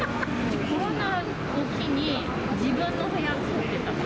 コロナを機に、自分の部屋を作ってた。